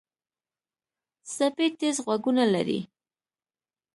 سپي تیز غوږونه لري.